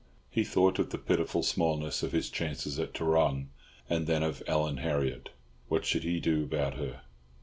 He thought of the pitiful smallness of his chances at Tarrong, and then of Ellen Harriott. What should he do about her?